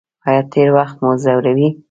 ایا تیر وخت مو ځوروي؟